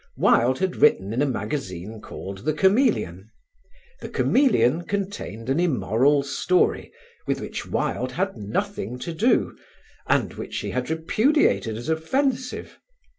Wilde had written in a magazine called The Chameleon. The Chameleon contained an immoral story, with which Wilde had nothing to do, and which he had repudiated as offensive.